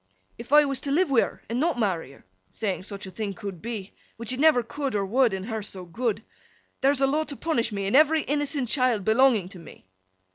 'If I was to live wi' her an' not marry her—saying such a thing could be, which it never could or would, an' her so good—there's a law to punish me, in every innocent child belonging to me?